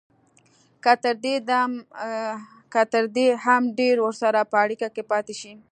که تر دې هم ډېر ورسره په اړیکه کې پاتې شي